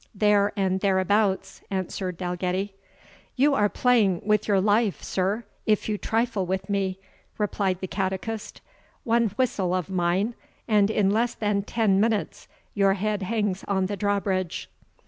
"There and thereabouts," answered Dalgetty. "You are playing with your life, sir, if you trifle with me," replied the catechist; "one whistle of mine, and in less than ten minutes your head hangs on the drawbridge."